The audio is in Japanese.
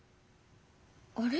あれ？